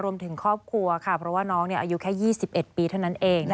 รวมถึงครอบครัวค่ะเพราะว่าน้องอายุแค่๒๑ปีเท่านั้นเอง